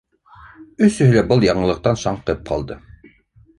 Өсөһө лә был яңылыҡтан шаңҡып ҡалды